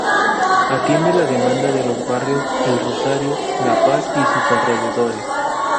Atiende la demanda de los barrios El Rosario, La Paz y sus alrededores.